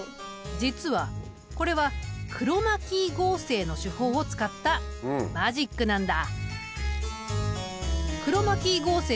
実はこれはクロマキー合成の手法を使ったマジックなんだ。